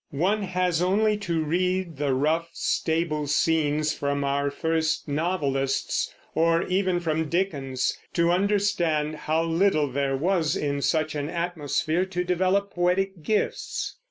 One has only to read the rough stable scenes from our first novelists, or even from Dickens, to understand how little there was in such an atmosphere to develop poetic gifts.